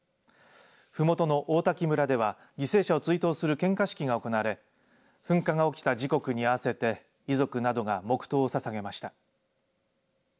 ふもとの王滝村では犠牲者を追悼する献花式が行われ噴火が起きた時刻に合わせて遺族などが黙とうをささげました。